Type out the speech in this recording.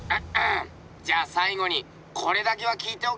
じゃあさいごにこれだけは聞いておけ。